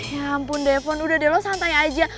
ya ampun depon udah deh lo santai aja